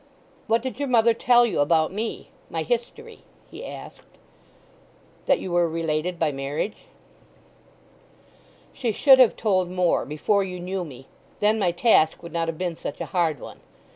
"What did your mother tell you about me—my history?" he asked. "That you were related by marriage." "She should have told more—before you knew me! Then my task would not have been such a hard one....